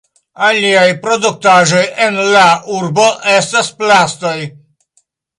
Aliaj produktaĵoj en la urbo estas plastoj.